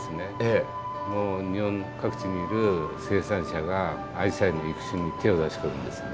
もう日本各地にいる生産者がアジサイの育種に手を出してるんですね。